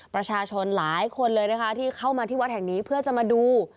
ประชาชนหลายคนเลยนะคะที่เข้ามาที่วัดแห่งนี้เพื่อจะมาดู